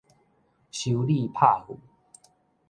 修女拍富